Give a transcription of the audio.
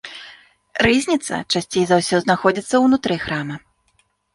Рызніца часцей за ўсё знаходзіцца ўнутры храма.